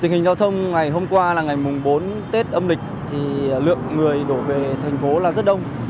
tình hình giao thông ngày hôm qua là ngày mùng bốn tết âm lịch lượng người đổ về thành phố rất đông